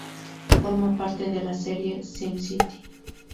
Forma parte de la serie SimCity.